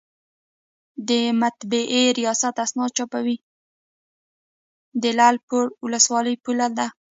د لعل پورې ولسوالۍ پوله ده